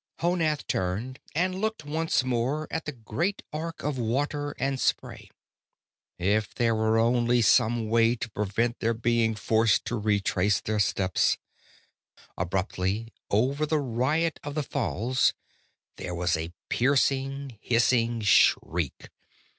Honath turned and looked once more at the great arc of water and spray. If there were only some way to prevent their being forced to retrace their steps Abruptly, over the riot of the falls, there was a piercing, hissing shriek.